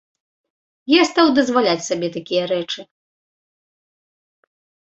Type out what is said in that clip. Я стаў дазваляць сабе такія рэчы.